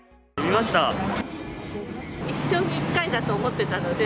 一生に一回だと思ってたので。